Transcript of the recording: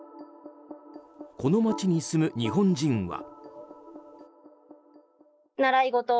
この街に住む日本人は。